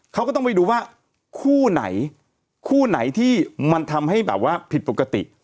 เขาก็ต้องไปดูว่าคู่ไหนคู่ไหนที่มันทำให้แบบว่าผิดปกติ